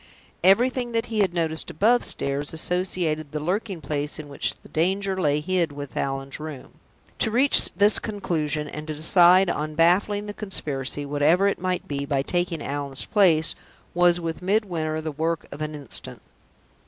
Everything that he had noticed above stairs associated the lurking place in which the danger lay hid with Allan's room. To reach this conclusion, and to decide on baffling the conspiracy, whatever it might be, by taking Allan's place, was with Midwinter the work of an instant.